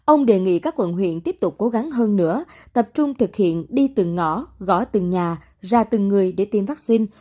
ông đề nghị các quận huyện tiếp tục cố gắng hơn nữa tập trung thực hiện đi từng ngõ gõ từng nhà ra từng người để tiêm vaccine